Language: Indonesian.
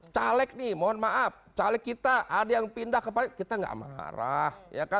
caleg nih mohon maaf caleg kita ada yang pindah ke partai kita nggak marah